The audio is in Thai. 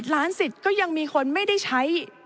ล้านสิทธิ์ก็ยังมีคนไม่ได้ใช้